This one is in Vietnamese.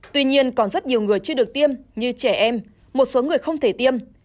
tuy nhiên còn rất nhiều người chưa được tiêm như trẻ em một số người không thể tiêm